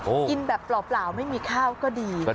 กินแบบเปล่าไม่มีข้าวก็ดี